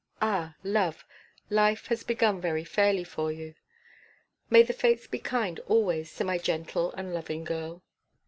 Ah! love, life has begun very fairly for you. May the fates be kind always to my gentle and loving girl!'